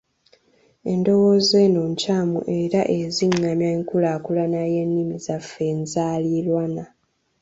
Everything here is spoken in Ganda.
Endowooza eno nkyamu era ezingamya enkulaakulana y’ennimi zaffe enzaaliranwa.